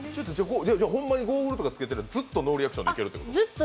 ホンマにゴーグルとかつければノーリアクションでいけると？